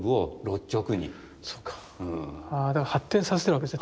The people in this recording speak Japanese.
だから発展させてるわけですね。